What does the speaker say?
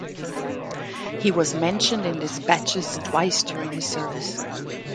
He was mentioned in despatches twice during his service.